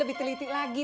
lebih teliti lagi